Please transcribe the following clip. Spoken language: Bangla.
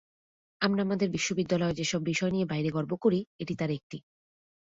আমরা আমাদের বিশ্ববিদ্যালয়ের যেসব বিষয় নিয়ে বাইরে গর্ব করি, এটি তার একটি।